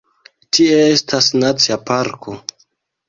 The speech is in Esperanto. Tie estas nacia parko.